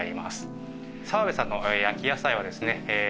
澤部さんの焼き野菜はですね